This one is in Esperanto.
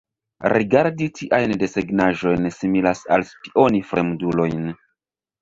Rigardi tiajn desegnaĵojn similas al spioni fremdulojn.